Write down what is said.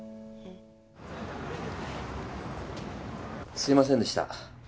すいませんでした。